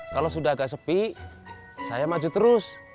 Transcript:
kalau sudah agak sepi saya maju terus